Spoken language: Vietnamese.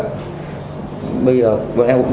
bây giờ bọn em cũng sợ không dám đi đua nữa